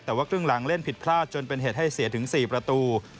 แต่ว่าครึ่งหลังเล่นผิดพลาดจนเป็นเหตุให้เสียถึง๔ประตู